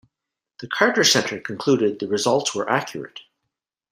The Carter Center concluded the results were accurate.